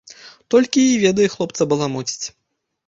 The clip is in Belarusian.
Толькі й ведае хлопца баламуціць.